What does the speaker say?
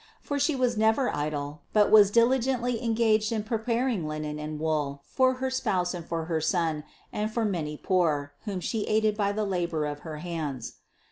For She was never idle, but was diligently engaged in preparing linen and wool for her spouse and for her Son and for many poor, whom She aided by the labor of her hands.